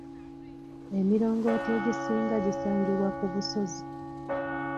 Emirongooti egisinga gisangibwa ku busozi.